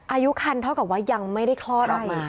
อายุคันเท่ากับว่ายังไม่ได้คลอดออกมา